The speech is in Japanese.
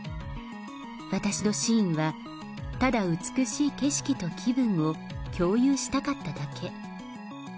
私の真意は、ただ美しい景色と気分を共有したかっただけ。